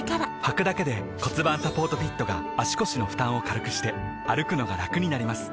はくだけで骨盤サポートフィットが腰の負担を軽くして歩くのがラクになります